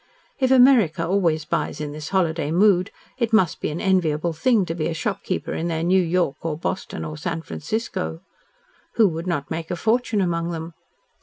If America always buys in this holiday mood, it must be an enviable thing to be a shopkeeper in their New York or Boston or San Francisco. Who would not make a fortune among them?